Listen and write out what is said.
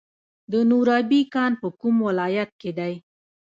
د نورابې کان په کوم ولایت کې دی؟